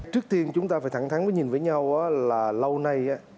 trước tiên chúng ta phải thẳng thắng và nhìn với nhau là lâu nay